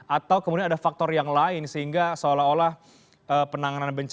atau kemudian ada faktor yang lain sehingga seolah olah penanganan bencana